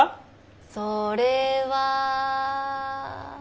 それは。